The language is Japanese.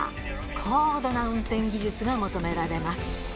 高度な運転技術が求められます。